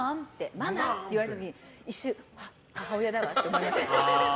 ママって言われた時に一瞬、母親だわって思いました。